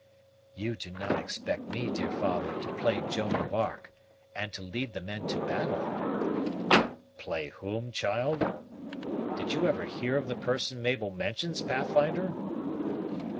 "You do not expect me, dear father, to play Joan of Arc, and to lead the men to battle?" "Play whom, child? Did you ever hear of the person Mabel mentions, Pathfinder?"